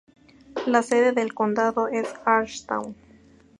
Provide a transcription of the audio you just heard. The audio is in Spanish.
La sede del condado es Ashdown.